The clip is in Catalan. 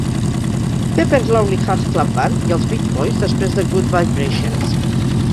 Pepper's Lonely Hearts Club Band" i els Beach Boys després de "Good Vibrations".